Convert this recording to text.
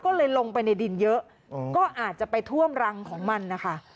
ก็เลยลงไปในดินเยอะก็อาจจะไปท่วมรังของมันนะคะ